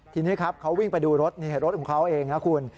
ทีนี้ครับเขาวิ่งไปดูรถนี่รถของเขาเองนะคุณ